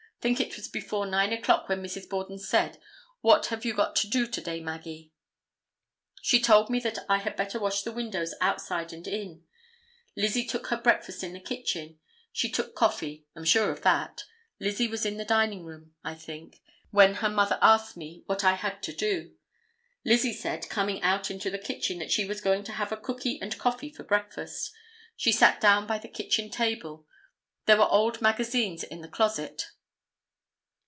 Think it was before 9 o'clock when Mrs. Borden said, 'What have you got to do to day, Maggie?' She told me that I had better wash the windows outside and in. Lizzie took her breakfast in the kitchen. She took coffee. Am sure of that. Lizzie was in the dining room, I think, when her mother asked me what I had to do. Lizzie said, coming out into the kitchen, that she was going to have a cookie and coffee for breakfast. She sat down by the kitchen table. There were old magazines in the closet.